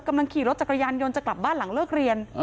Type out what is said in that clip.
กำลังขี่รถจักรยานยนต์จะกลับบ้านหลังเลิกเรียน